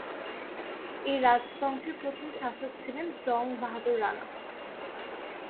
এই রাজবংশের প্রথম শাসক ছিলেন জং বাহাদুর রানা।